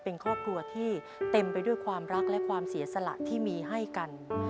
เป็นครอบครัวที่เต็มไปด้วยความรักและความเสียสละที่มีให้กัน